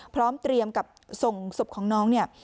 พร้อมเตรียมกับส่งศพของน้องเนี่ย